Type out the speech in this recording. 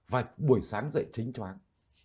và buổi sáng dậy trinh chóng